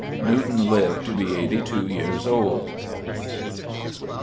Newton lived to be eighty two years old.